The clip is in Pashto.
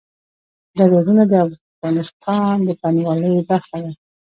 دریابونه د افغانستان د بڼوالۍ برخه ده.